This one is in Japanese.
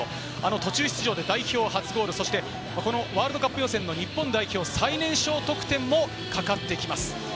途中出場で代表初ゴール、そしてワールドカップ予選の日本代表最年少得点もかかってきます。